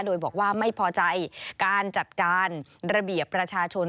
โดยบอกว่าไม่พอใจการจัดการระเบียบประชาชน